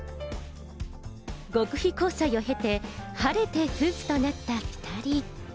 極秘交際を経て、晴れて夫婦となった２人。